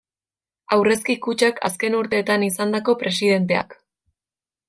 Aurrezki kutxak azken urteetan izandako presidenteak.